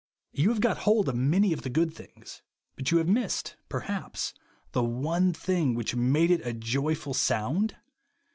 You have got hold of many of the good things, but you have missed, perhaps, the one thing which made it a joyful sound